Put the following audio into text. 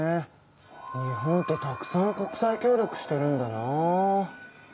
日本ってたくさん国際協力してるんだな。